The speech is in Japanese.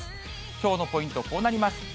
きょうのポイント、こうなります。